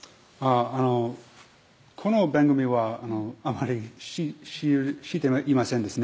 あのこの番組はあまり知ってはいませんですね